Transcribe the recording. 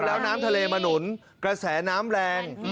แล้วน้ำทะเลมาหนุนกระแสน้ำแรง